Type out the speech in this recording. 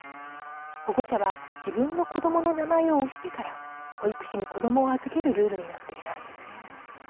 保護者は自分の子どもの名前を押してから保育士に子どもを預けるルールになっています。